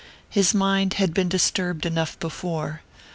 His mind had been disturbed enough before.